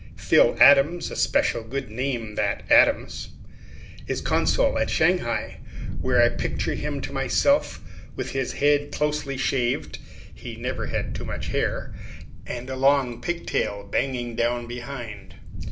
Phil Adams (a special good name that Adams) is consul at Shanghai, where I picture him to myself with his head closely shaved he never had too much hair and a long pigtail banging down behind.